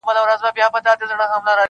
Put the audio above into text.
• ما راوړي هغه لارو ته ډېوې دي..